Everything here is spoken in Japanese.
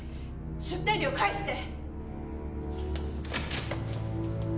出店料返して！